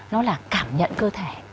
nó là cảm nhận cơ thể